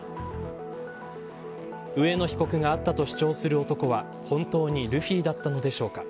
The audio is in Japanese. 上野被告が会ったと主張する男は本当にルフィだったのでしょうか。